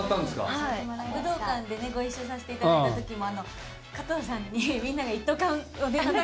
武道館でねご一緒させていただいたときも加藤さんにみんなが一斗缶を。